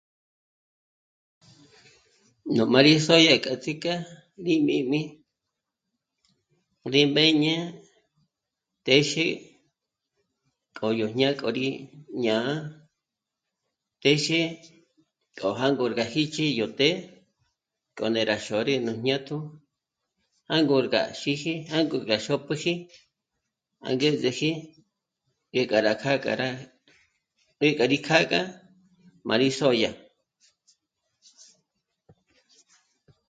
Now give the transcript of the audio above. Nú má rí sôdya k'a ts'íjk'e rí mī́jmi, rí mbéñe téxe k'o yó jñá'a k'o rí... ñá'a téxe k'o jângor gá jích'i yó të'ë, k'o né'e rá xôri nú jñátjo, jângor gá xíji, jângor gá xôpjüji angezeji jé gá kjâ'a kja rá mbék'a rí kjâ'a gá má rí sôdya